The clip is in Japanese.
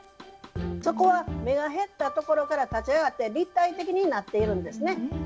底は目が減ったところから立ち上がって立体的になっているんですね。